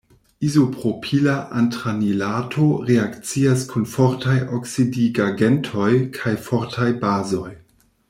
Izopropila antranilato reakcias kun fortaj oksidigagentoj kaj fortaj bazoj.